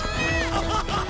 アハハッ！